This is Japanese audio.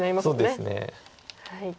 そうですね。